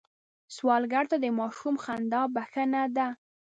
سوالګر ته د ماشوم خندا بښنه ده